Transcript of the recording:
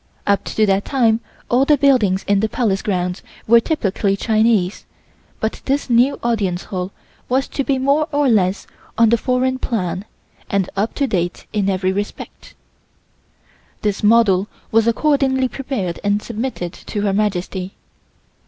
Up to that time all the buildings in the Palace Grounds were typically Chinese but this new Audience Hall was to be more or less on the foreign plan and up to date in every respect. This model was accordingly prepared and submitted to Her Majesty.